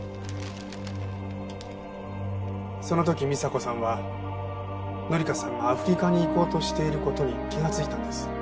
その時美沙子さんは紀香さんがアフリカに行こうとしている事に気がついたんです。